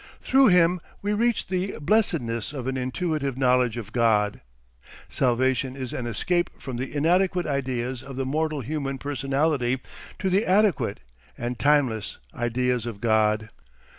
Through him we reach the blessedness of an intuitive knowledge of God. Salvation is an escape from the "inadequate" ideas of the mortal human personality to the "adequate" and timeless ideas of God.